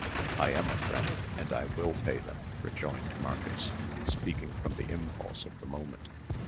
"I am a friend, and I will pay them," rejoined Marcus, speaking from the impulse of the moment.